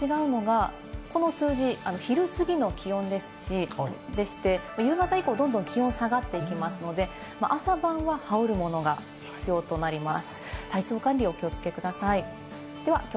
ただ夏場と違うのがこの数字、昼すぎの気温ですし、夕方以降どんどん気温下がっていきますので、朝晩は羽織るものが必要となります。